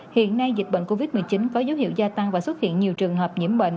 hiện nay dịch bệnh covid một mươi chín có dấu hiệu gia tăng và xuất hiện nhiều trường hợp nhiễm bệnh